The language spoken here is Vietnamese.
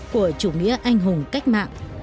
của chủ nghĩa anh hùng cách mạng